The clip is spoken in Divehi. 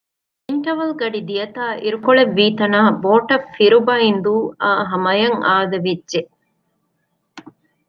އިންޓަވަލް ގަޑި ދިޔަތާ އިރުކޮޅެއް ވީތަނާ ބޯޓަށް ފިރުބަނއިދޫ އާ ހަމައަށް އާދެވިއްޖެ